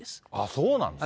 そうなんですか。